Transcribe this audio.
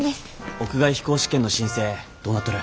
屋外飛行試験の申請どうなっとる？